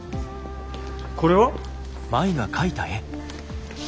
これは？